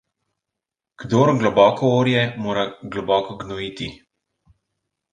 Kdor globoko orje, mora globoko gnojiti.